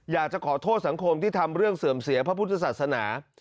อยากจะขอโทษสังคมที่ทำเรื่องเสื่อมเสียพระพุทธศาสนา